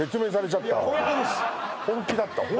本気だったわ